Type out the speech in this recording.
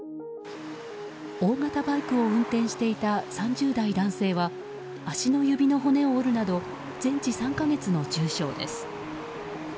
大型バイクを運転していた３０代男性は足の指の骨を折るなど全治３か月の重傷です。